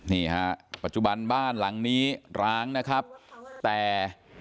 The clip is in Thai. นี่ฮะปัจจุบันบ้านหลังนี้ร้างนะครับแต่